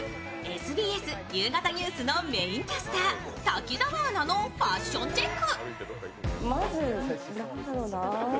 ＳＢＳ、夕方ニュースのメインキャスター、滝澤アナウンサーのファッションチェック。